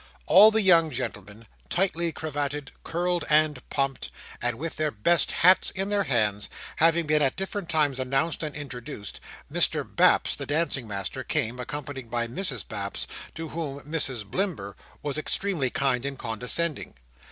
All the young gentlemen, tightly cravatted, curled, and pumped, and with their best hats in their hands, having been at different times announced and introduced, Mr Baps, the dancing master, came, accompanied by Mrs Baps, to whom Mrs Blimber was extremely kind and condescending.